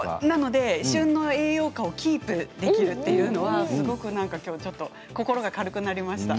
旬の栄養価をキープできるというのは今日、心が軽くなりました。